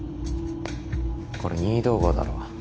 これ任意同行だろ？